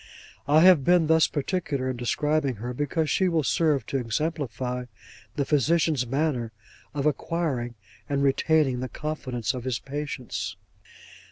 I have been thus particular in describing her, because she will serve to exemplify the physician's manner of acquiring and retaining the confidence of his patients.